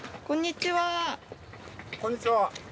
こんにちは。